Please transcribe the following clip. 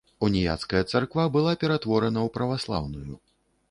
Уніяцкая царква была ператворана ў праваслаўную.